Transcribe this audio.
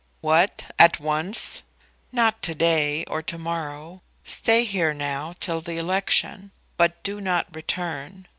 "What, at once?" "Not to day, or to morrow. Stay here now till the election; but do not return.